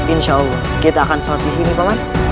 insya allah kita akan sholat disini paman